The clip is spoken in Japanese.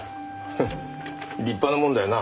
フッ立派なもんだよな。